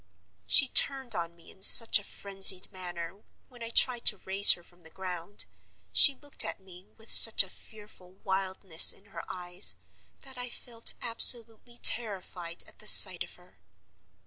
She turned on me in such a frenzied manner, when I tried to raise her from the ground—she looked at me with such a fearful wildness in her eyes—that I felt absolutely terrified at the sight of her.